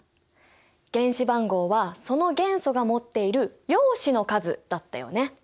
原子番号はその元素が持っている陽子の数だったよね。